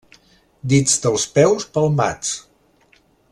Dits dels peus palmats.